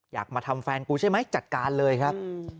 อยากมาทำแฟนกูใช่ไหมจัดการเลยครับ